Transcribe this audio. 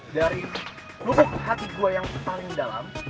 dari lubuk hati gue yang paling dalam